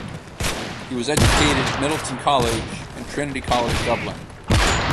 He was educated at Midleton College and Trinity College Dublin.